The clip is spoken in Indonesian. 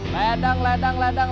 ledang ledang ledang ledang ledang